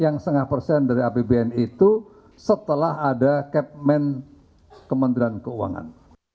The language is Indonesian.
yang setengah persen dari apbn itu setelah ada capman kementerian keuangan